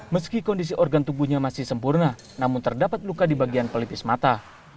meski kondisi organ tubuhnya masih sempurna namun terdapat luka di bagian pelipis mata